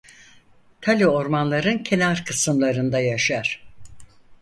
Tali ormanların kenar kısımlarında yaşar.